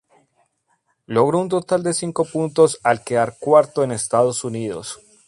Logró un total de cinco puntos al quedar cuarto en Estados Unidos.